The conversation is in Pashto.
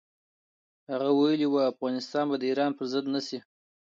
هغه ویلي و، افغانستان به د ایران پر ضد نه شي.